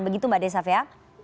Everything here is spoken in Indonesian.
begitu mbak desaf ya